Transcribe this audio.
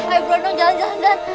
ayo berlendong jalan jalan